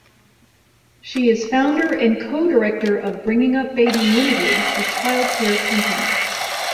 She is founder and co-director of Bringing up Baby Limited, a childcare company.